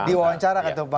di wawancara kan itu pak pak